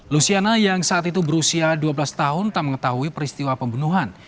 luciana yang saat itu berusia dua belas tahun tak mengetahui peristiwa pembunuhan